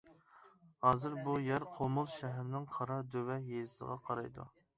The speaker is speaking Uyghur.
ھازىر بۇ يەر قۇمۇل شەھىرىنىڭ قارا دۆۋە يېزىسىغا قارايدۇ.